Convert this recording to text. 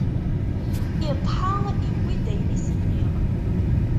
Iṭḥa iwwi-d ayen i s-nniɣ.